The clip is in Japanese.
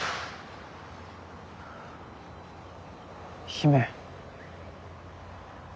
姫。